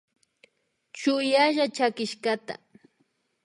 Chuyalla chakishkata